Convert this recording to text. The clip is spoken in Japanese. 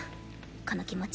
この気持ち。